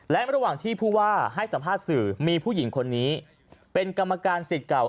และระหว่างที่ผู้ว่าให้สัมภาษณ์สื่อมีผู้หญิงคนนี้เป็นกรรมการสิทธิ์เก่า